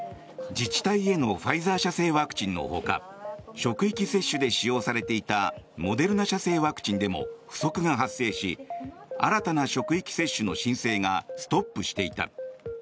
自治体へのファイザー社製ワクチンのほか職域接種で使用されていたモデルナ社製ワクチンでも不足が発生し新たな職域接種の申請がストップしていた。